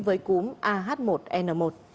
với cúm ah một n một